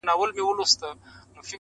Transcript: د ګل بدل کې ېې ګلاب رانکړو